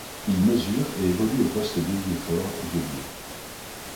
Il mesure et évolue aux postes d'ailier fort et d'ailier.